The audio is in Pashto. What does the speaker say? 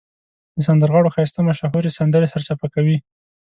د سندرغاړو ښایسته مشهورې سندرې سرچپه کوي.